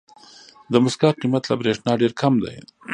د موسکا قیمت له برېښنا ډېر کم دی.